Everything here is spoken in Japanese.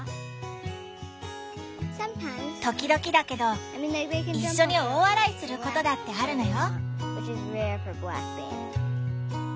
時々だけどいっしょに大笑いすることだってあるのよ。